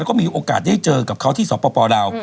เราก็มีโอกาสที่มีเจอกับเขาที่สวพรเรา